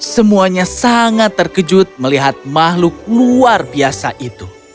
semuanya sangat terkejut melihat makhluk luar biasa itu